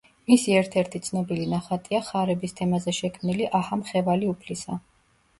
მისი ერთ-ერთი ცნობილი ნახატია ხარების თემაზე შექმნილი „აჰა, მხევალი უფლისა“